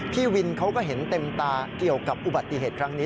พี่วินเขาก็เห็นเต็มตาเกี่ยวกับอุบัติเหตุครั้งนี้